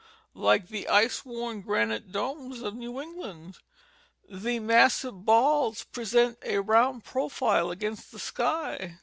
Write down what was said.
like the ice worn granite domes of New England, the massive balds present a rounded profile against the sky.